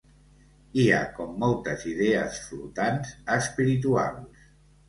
Hi ha com moltes idees flotants, espirituals.